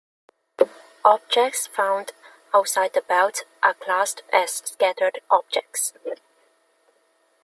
Objects found outside the belt are classed as scattered objects.